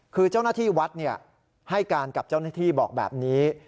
คือเจ้าหน้าที่วัดให้การกับเจ้าหน้าที่บอกแบบนี้